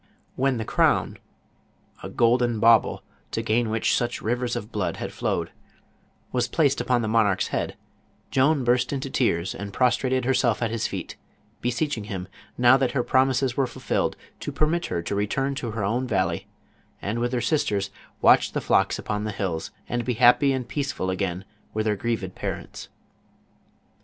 When the crown — a golden bauble, to gain which such rivers of blood had flowed — was placed upon the monarch's head, Joan burst into tears and prostrated herself at his feet, beseeching him, now that her prom ises were fulfilled, to permit her to return to her own valley, and with her sisters watch the flocks upon the hills, and be hnppy and peaceful agnin with her grieved parents.